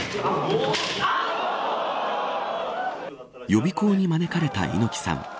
予備校に招かれた猪木さん